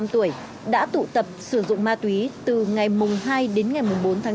một mươi năm tuổi đã tụ tập sử dụng ma túy từ ngày mùng hai đến ngày mùng bốn tháng bốn